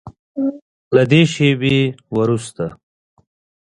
له دې شیبې وروسته